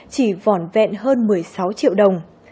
chỉ vỏn vẹn hơn một mươi sáu triệu đồng